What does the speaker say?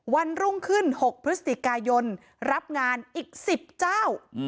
วันรุ่งขึ้น๖พฤศจิกายนรับงานอีก๑๐เจ้า